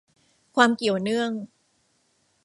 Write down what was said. ความเกี่ยวเนื่อง